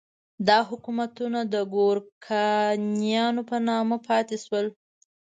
دا حکومتونه د ګورکانیانو په نامه پاتې شول.